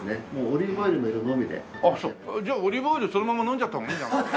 オリーブオイルそのまま飲んじゃった方がいいんじゃないの？